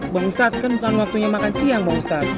bang ustadz kan bukan waktunya makan siang bang ustadz